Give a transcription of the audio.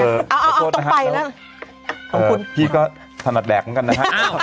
เอาตรงไปนะพี่ก็ถนัดแดกเหมือนกันนะฮะ